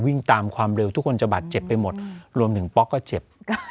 วิ่งตามความเร็วทุกคนจะบาดเจ็บไปหมดรวมถึงป๊อกก็เจ็บ